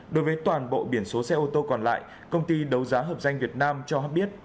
đối với toàn bộ biển số xe ô tô còn lại công ty đấu giá hợp danh việt nam cho biết